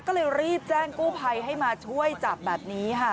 ก็เลยรีบแจ้งกู้ภัยให้มาช่วยจับแบบนี้ค่ะ